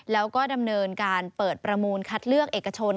แล้วก็ดำเนินการเปิดประมูลคัดเลือกเอกชน